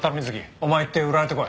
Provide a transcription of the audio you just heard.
お前行って売られてこい。